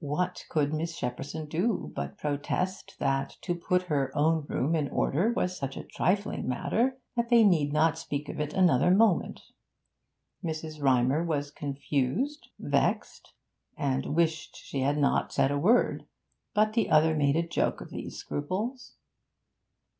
What could Miss Shepperson do but protest that to put her own room in order was such a trifling matter that they need not speak of it another moment. Mrs. Rymer was confused, vexed, and wished she had not said a word; but the other made a joke of these scruples.